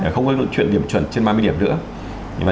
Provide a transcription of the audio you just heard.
không có chuyện điểm chuẩn trên ba mươi điểm nữa